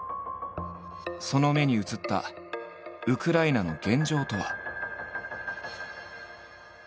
その目に映ったウクライナの現状とは？